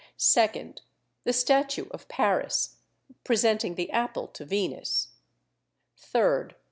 2d. The statue of Paris, presenting the apple to Venus. 3d.